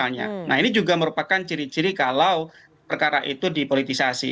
nah ini juga merupakan ciri ciri kalau perkara itu dipolitisasi